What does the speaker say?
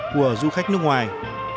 của du khách nước ngoài